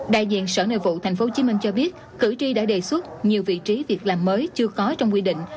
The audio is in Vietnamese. đại diện sở nội vụ tp hcm cho biết cử tri đã đề xuất nhiều vị trí việc làm mới chưa có trong quy định